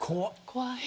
怖い。